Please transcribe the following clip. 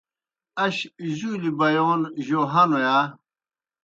اش جُولیْ بیَون جوْ ہنیْ یا؟